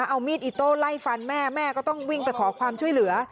เอามีดอิโต้ไล่ฟันแม่แม่ก็ต้องวิ่งไปขอความช่วยเหลือ